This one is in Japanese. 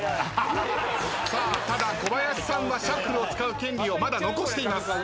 ただ小林さんはシャッフルを使う権利をまだ残しています。